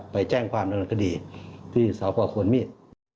ไปแจ้งความละละคดีที่สาวปลาขวนมีด